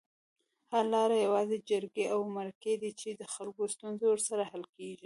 حل لاره یوازې جرګې اومرکي دي چي دخلګوستونزې ورسره حل کیږي